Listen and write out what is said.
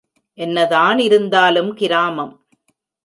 என்னதான் இருந்தாலும் கிராமம்.